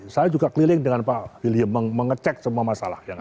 saya juga keliling dengan pak william mengecek semua masalah yang ada